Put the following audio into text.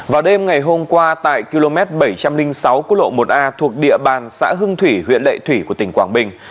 vào đêm ngày hôm qua tại km bảy trăm linh sáu quốc lộ một a thuộc địa bàn xã hưng thủy huyện lệ thủy của tỉnh quảng bình